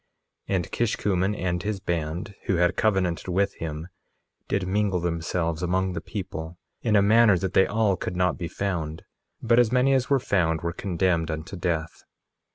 And Kishkumen and his band, who had covenanted with him, did mingle themselves among the people, in a manner that they all could not be found; but as many as were found were condemned unto death.